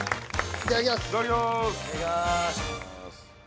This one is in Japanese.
いただきます。